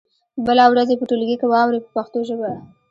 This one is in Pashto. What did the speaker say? بله ورځ یې په ټولګي کې واورئ په پښتو ژبه.